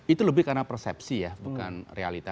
itu lebih karena persepsi ya bukan realita